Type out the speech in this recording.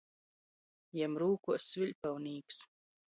Jam rūkuos sviļpaunīks.